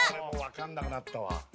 これもう分かんなくなったわ